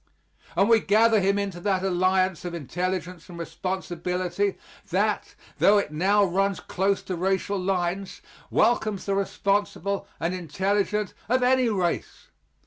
And we gather him into that alliance of intelligence and responsibility that, though it now runs close to racial lines, welcomes the responsible and intelligent of any race.